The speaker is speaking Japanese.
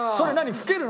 吹けるの？